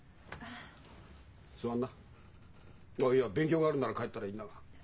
ああいや勉強があるんなら帰ったらいいんだが。